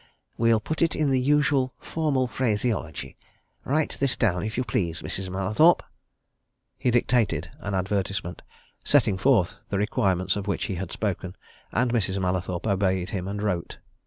We'll put it in the usual, formal phraseology. Write this down, if you please, Mrs. Mallathorpe." He dictated an advertisement, setting forth the requirements of which he had spoken, and Mrs. Mallathorpe obeyed him and wrote.